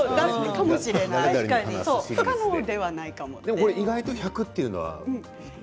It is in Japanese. でも意外と１００というのは。